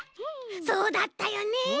そうだったよね。